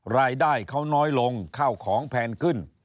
รายได้เขาน้อยลงข้าวของแพงขึ้น